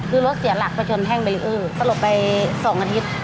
คือรถเสียหลักไปจนแท่งไปเอ้อสรุปไป๒อาทิตย์